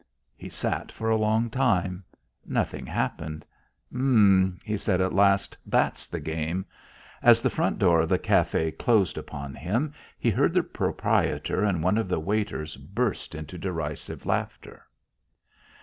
He sat for a long time; nothing happened. "Eh," he said at last, "that's the game." As the front door of the café closed upon him, he heard the proprietor and one of the waiters burst into derisive laughter.